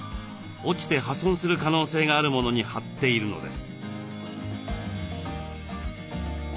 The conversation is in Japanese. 落ちて破損する可能性があるものに貼っているのです。